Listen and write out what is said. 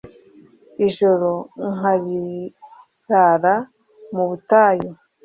ijoro nkarirara mu butayu